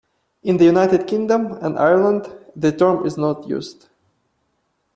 In the United Kingdom and Ireland, the term is not used.